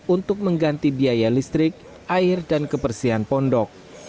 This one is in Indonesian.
untuk mengganti biaya listrik air dan kebersihan pondok